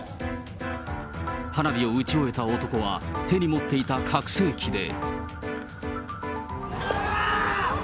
花火を打ち終えた男は手に持っていた拡声器で。